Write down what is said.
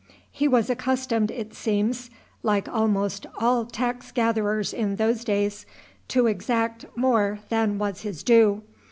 He was accustomed, it seems, like almost all tax gatherers in those days, to exact more than was his due.